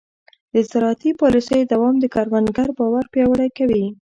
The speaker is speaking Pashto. د زراعتي پالیسیو دوام د کروندګر باور پیاوړی کوي.